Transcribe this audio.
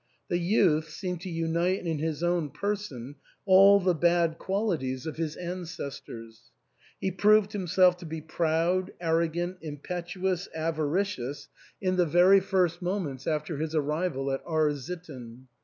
The youth seemed to unite in his own person all the bad qualities of his ancestors : he proved himself to be proud, arrogant, impetuous, avaricious, in the 296 THE ENTAIL. very first moments after his arrival at R — sitten.